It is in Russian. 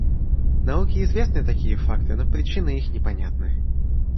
Науке известны такие факты, но причины их непонятны.